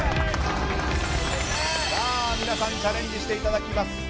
皆さんチャレンジしていただきます。